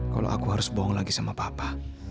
kalau aku harus bohong lagi sama papa